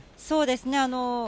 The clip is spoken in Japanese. そうですね。